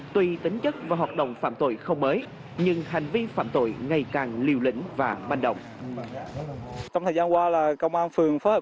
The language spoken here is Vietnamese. tùy tính chất và hoạt động phạm tội không mới nhưng hành vi phạm tội ngày càng liều lĩnh và manh động